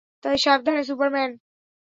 তুই সাবধানে, সুপারম্যান।